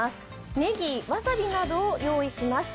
ねぎ、わさびなどを用意します。